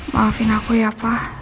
maafin aku ya pak